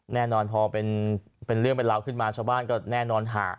แน่นอนพอเป็นเรื่องเป็นราวขึ้นมาชาวบ้านก็แน่นอนหา